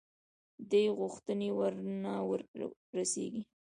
دې غوښتنې ورنه رسېږو.